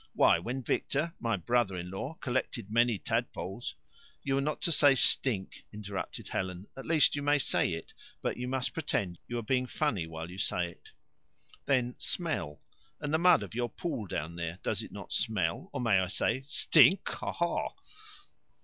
Why, when Victor, my brother in law, collected many tadpoles " "You are not to say 'stink,'" interrupted Helen; "at least, you may say it, but you must pretend you are being funny while you say it." "Then 'smell.' And the mud of your Pool down there does it not smell, or may I say 'stink, ha, ha'?"